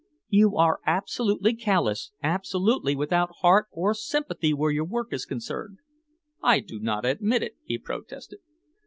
"You are absolutely callous, absolutely without heart or sympathy where your work is concerned." "I do not admit it," he protested.